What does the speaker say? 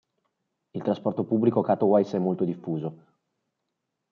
Il trasporto pubblico a Katowice è molto diffuso.